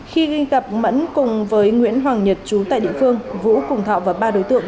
khi ghi gặp mẫn cùng với nguyễn hoàng nhật trú tại địa phương vũ cùng thọ và ba đối tượng